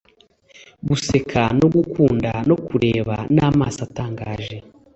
guseka no gukunda no kureba n'amaso atangaje